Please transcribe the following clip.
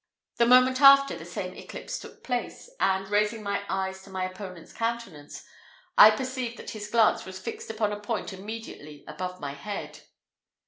The moment after the same eclipse took place, and, raising my eyes to my opponent's countenance, I perceived that his glance was fixed upon a point immediately above my head.